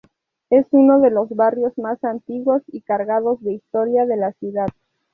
Es uno de los barrios más antiguos y cargados de historia de la ciudad.